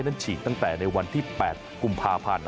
ฉีกตั้งแต่ในวันที่๘กุมภาพันธ์